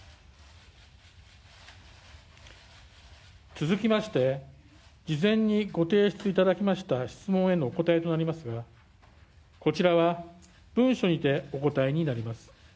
続きまして、事前にご提出いただきました質問へのお答えとなりますが、こちらは文書にてお答えになります。